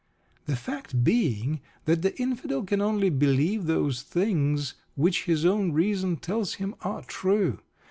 The fact being that the Infidel can only believe those things which his own reason tells him are true.